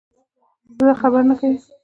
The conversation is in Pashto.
زلزله خبر نه کوي